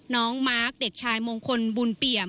น้องมาร์คเด็กชายมงคลบุญเปี่ยม